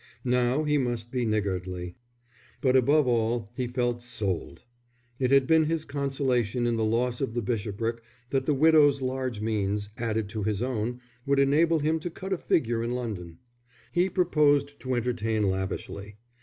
Now he must be niggardly. But above all he felt sold. It had been his consolation in the loss of the bishopric that the widow's large means, added to his own, would enable him to cut a figure in London. He proposed to entertain lavishly.